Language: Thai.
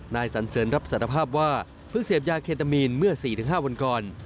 นายสันเสริญรับสารภาพว่าเพื่อเสียบยากเคทามีนเมื่อสี่ถึงห้าวันก่อน